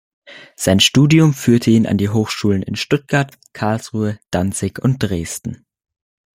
Sein Studium führte ihn an die Hochschulen in Stuttgart, Karlsruhe, Danzig und Dresden.